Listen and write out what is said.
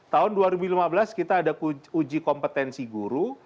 tahun dua ribu lima belas kita ada uji kompetensi guru